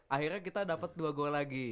akhirnya kita dapat dua gol lagi